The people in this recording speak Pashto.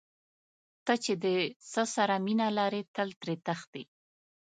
ته چې د څه سره مینه لرې تل ترې تښتې.